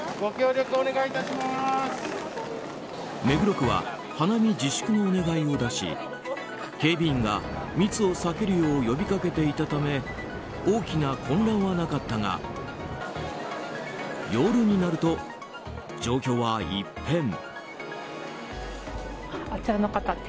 目黒区は花見自粛のお願いを出し警備員が密を避けるよう呼びかけていたため大きな混乱はなかったが夜になると、状況は一変。